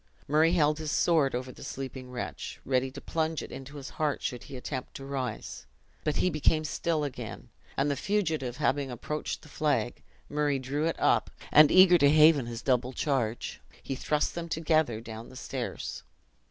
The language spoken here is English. Murray held his sword over the sleeping wretch, ready to plunge it into his heart should he attempt to rise; but he became still again; and the fugitive having approached the flag, Murray drew it up, and eager to haven his double charge, he thrust them together down the stairs.